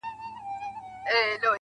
o د انسانانو جهالت له موجه، اوج ته تللی.